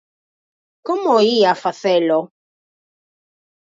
Como ía facelo!